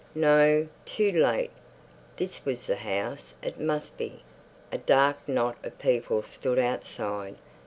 No, too late. This was the house. It must be. A dark knot of people stood outside.